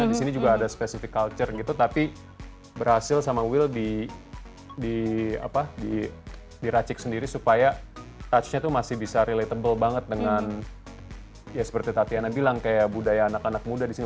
di sini juga ada spesifik culture gitu tapi berhasil sama will diracik sendiri supaya touchnya tuh masih bisa relatable banget dengan ya seperti tatiana bilang kayak budaya anak anak muda di sini